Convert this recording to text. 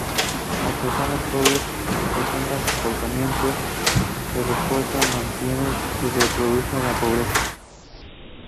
Las personas pobres presentan comportamientos que refuerzan, mantienen y reproducen la pobreza.